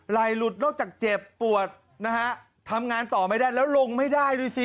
ไหลหลุดนอกจากเจ็บปวดนะฮะทำงานต่อไม่ได้แล้วลงไม่ได้ด้วยสิ